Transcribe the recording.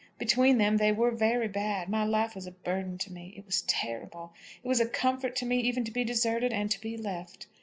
Between them they were very bad. My life was a burden to me. It was terrible. It was a comfort to me even to be deserted and to be left.